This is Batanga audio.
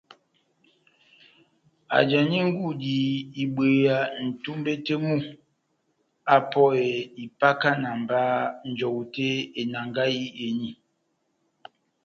ajani ngudi ibweya nʼtumbe tɛh mu apɔhe ipakana mba njɔwu tɛh enangahi eni.